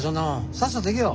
さっさと行けよ。